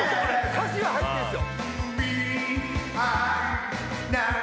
歌詞は入ってるんす。